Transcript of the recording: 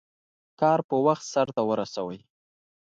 کار په وخت سرته ورسوئ.